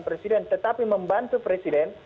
presiden tetapi membantu presiden